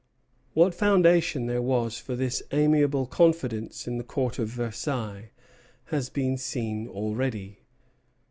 What foundation there was for this amiable confidence in the Court of Versailles has been seen already.